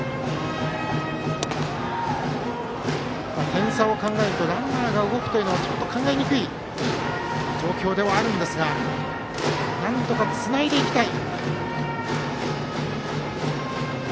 点差を考えるとランナーが動くというのはちょっと考えにくい状況ではあるんですがなんとかつないでいきたい。